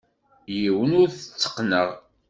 Yiwen ur t-tteqqneɣ.